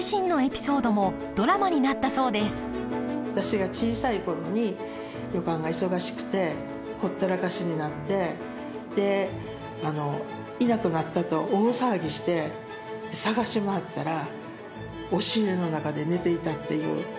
私が小さい頃に旅館が忙しくてほったらかしになってでいなくなったと大騒ぎして捜し回ったら押し入れの中で寝ていたっていう。